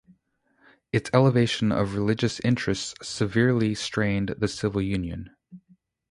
Its elevation of religious interests severely strained the civil union.